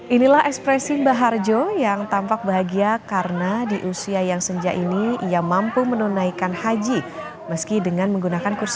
inilah ekspresi mbah harjo yang tampak bahagia karena di usia yang senja ini ia mampu menunaikan haji meski dengan menggunakan kursi